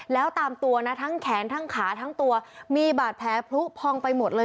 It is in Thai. แล้วตามตัวนะทั้งแขนทั้งขาทั้งตัวมีบาดแผลพลุพองไปหมดเลย